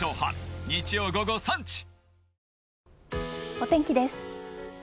お天気です。